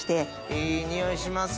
いい匂いします。